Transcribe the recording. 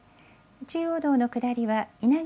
中央道の下りはいなぎ